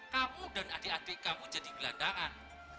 kamu dan adik adik kamu jadi gelandangan